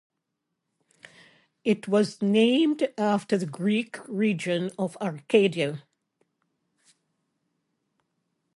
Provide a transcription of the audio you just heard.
It was named after the Greek region of Arcadia.